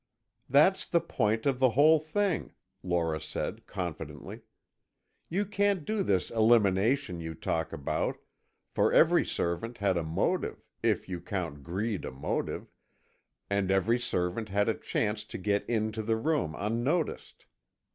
"That's the point of the whole thing," Lora said, confidently. "You can't do this elimination you talk about, for every servant had a motive, if you count greed a motive, and every servant had a chance to get into the room unnoticed.